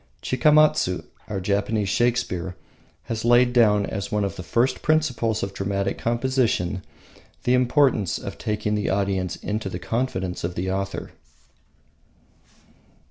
Chikamatsu, our Japanese Shakespeare, has laid down as one of the first principles of dramatic composition the importance of taking the audience into the confidence of the author.